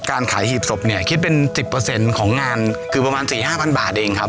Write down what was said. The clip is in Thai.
การขายหีบศพเนี่ยคิดเป็น๑๐ของงานคือประมาณ๔๕๐๐บาทเองครับ